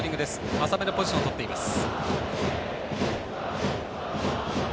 浅めのポジションをとっています。